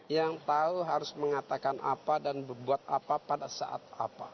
yang tahu harus mengatakan apa dan berbuat apa pada saat apa